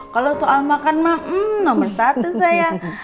kalau soal makan mah nomer satu saya